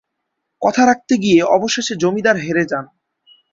কথা রাখতে গিয়ে অবশেষে জমিদার হেরে যান।